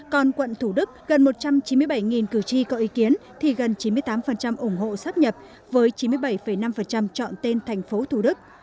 còn quận thủ đức gần một trăm chín mươi bảy cử tri có ý kiến thì gần chín mươi tám ủng hộ sắp nhập với chín mươi bảy năm chọn tên thành phố thủ đức